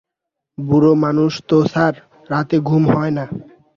বুড়ো মানুষ তো স্যার, রাতে ঘুম হয় না।